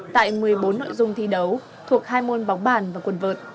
tại một mươi bốn nội dung thi đấu thuộc hai môn bóng bàn và quần vợt